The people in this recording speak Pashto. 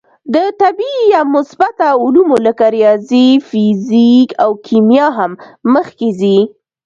د طبعي یا مثبته علومو لکه ریاضي، فیزیک او کیمیا هم مخکې ځي.